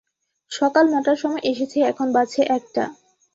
সকাল নটার সময় এসেছে, এখন বাজছে একটা।